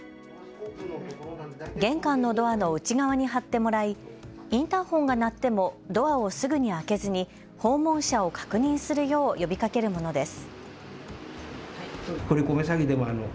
玄関のドアの内側に貼ってもらいインターホンが鳴ってもドアをすぐに開けずに訪問者を確認するよう呼びかけるものです。